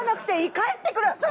帰ってください。